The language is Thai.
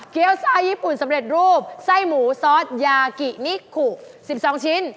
ซ่าญี่ปุ่นสำเร็จรูปไส้หมูซอสยากินิกขุ๑๒ชิ้น